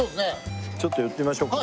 ちょっと寄ってみましょうか。